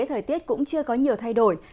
thời tiết cũng chưa có nhiều thay đổi